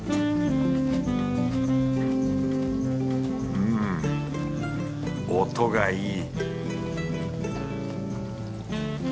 うん音がいい